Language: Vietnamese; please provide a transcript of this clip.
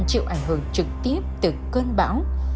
chịu ảnh hưởng trực tiếp từ cơn bão